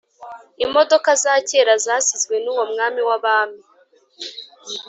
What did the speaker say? imodoka za kera zasizwe n'uwo mwami w'abami